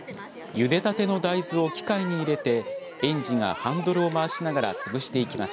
ゆでたての大豆を機械に入れて園児がハンドルを回しながらつぶしていきます。